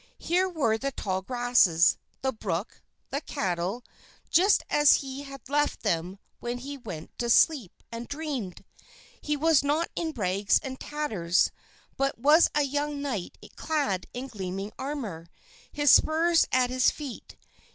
Here were the tall grasses, the brook, the cattle, just as he had left them when he went to sleep and dreamed. He was not in rags and tatters, but was a young knight clad in gleaming armor, his spurs at his feet.